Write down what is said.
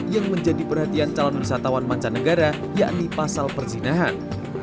yang menjadi perhatian calon wisatawan mancanegara yakni pasal perzinahan